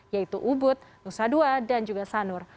yaitu ubud nusa dua dan juga sanur